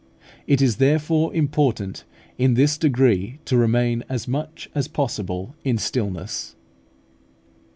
It is therefore important in this degree to remain as much as possible in stillness.